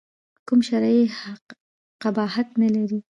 کوم شرعي قباحت نه لري.